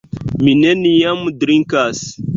Mi neniam drinkas.